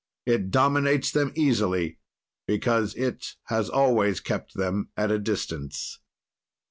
It dominates them easily, because it has always kept them at a distance.